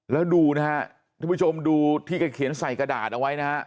แล้วดูนะฮะท่านผู้ชมดูที่แกเขียนใส่กระดาษเอาไว้นะฮะ